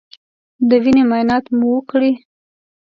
د وینې معاینات مو وکړی